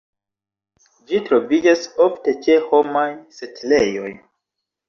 Ĝi troviĝas ofte ĉe homaj setlejoj.